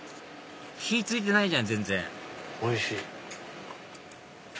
火付いてないじゃん全然おいしい。